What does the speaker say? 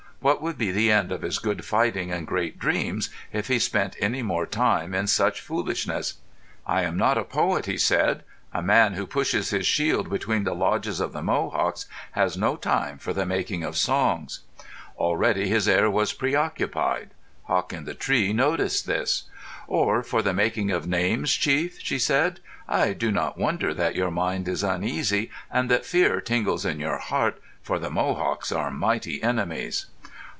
What would be the end of his good fighting and great dreams if he spent any more time in such foolishness? "I am not a poet," he said. "A man who pushes his shield between the lodges of the Mohawks has no time for the making of songs." Already his air was preoccupied. Hawk in the Tree noticed this. "Or for the making of names, chief," she said. "I do not wonder that your mind is uneasy and that fear tingles in your heart, for the Mohawks are mighty enemies."